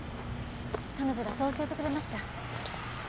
彼女がそう教えてくれました。